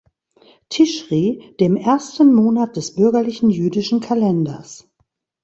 Tischri, dem ersten Monat des bürgerlichen jüdischen Kalenders.